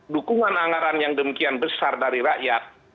dukungan anggaran yang demikian besar dari rakyat